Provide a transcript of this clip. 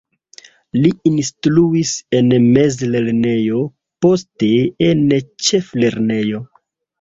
Li instruis en mezlernejo, poste en ĉeflernejo.